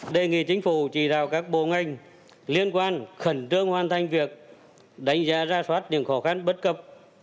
đề nghị chính phủ chỉ đạo các bộ ngành liên quan khẩn trương hoàn thành việc đánh giá ra soát những khó khăn bất cập